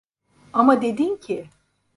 Ama dedin ki…